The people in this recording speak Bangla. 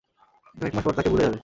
কয়েক মাস পর তাকে ভুলে যাবে।